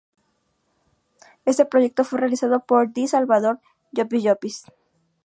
Este proyecto fue realizado por D. Salvador Llopis Llopis.